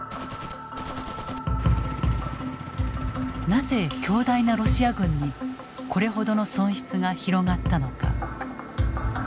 なぜ強大なロシア軍にこれほどの損失が広がったのか。